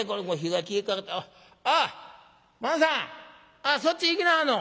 あっそっち行きなはんの？